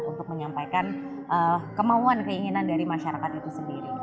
untuk menyampaikan kemauan keinginan dari masyarakat itu sendiri